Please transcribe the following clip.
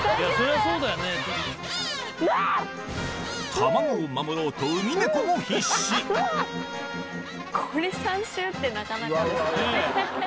卵を守ろうとウミネコも必死これ。